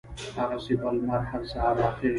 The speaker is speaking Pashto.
هغسې به لمر هر سهار را خېژي